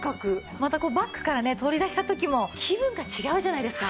またバッグからね取り出した時も気分が違うじゃないですか。